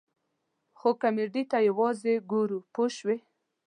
خو کمیډۍ ته یوازې ګورو پوه شوې!.